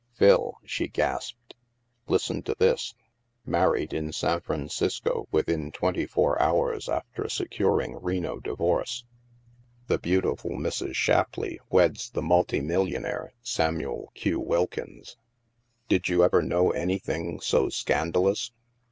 " Phil," she gasped, " listen to this :* Married in San Francisco within twenty four hours after se curing Reno divorce. The beautiful Mrs. Shap 246 THE MASK leigh weds the multimillionaire, Samuel Q. Wilkins.* Did you ever know anything so scandalous